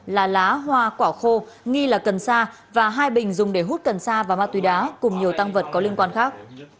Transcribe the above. là lá hoa quả khô nghi là cần sa và hai bình dùng để hút cần sa và ma túy đá cùng nhiều tăng vật có liên quan khác